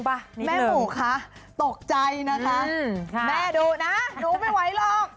แม่หมูคะตกใจนะคะแม่ดุนะหนูไม่ไหวหรอก